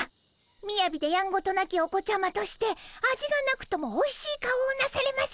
みやびでやんごとなきお子ちゃまとして味がなくともおいしい顔をなされませ！